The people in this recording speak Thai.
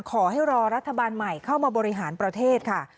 ขอให้รอรัฐบาลใหม่เข้ามาบริหารประเทศค่ะ